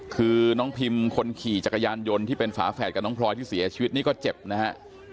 คือน้องพิมคนขี่จักรยานยนต์ที่เป็นฝาแฝดกับน้องพลอยที่เสียชีวิตนี่ก็เจ็บนะฮะ